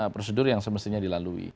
prosedur yang semestinya dilalui